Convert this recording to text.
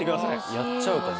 やっちゃうかも。